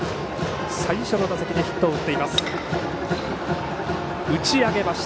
最初の打席にヒットを打っています。